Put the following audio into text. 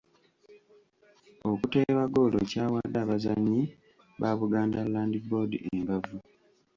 Okuteeba ggoolo kyawadde abazannyi ba Buganda Land Board embavu.